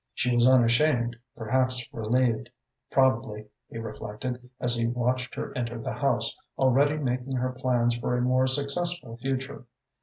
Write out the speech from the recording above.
She was unashamed, perhaps relieved, probably, he reflected, as he watched her enter the house, already making her plans for a more successful future.